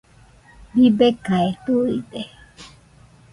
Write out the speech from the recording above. Bibekae tuide.